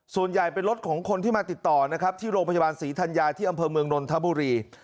ส่วนใหญ่เป็นรถของคนที่มาติดต่อนะครับที่โรงพยาบาลศรีธัญญาที่อำเภอเมืองนนทบุรี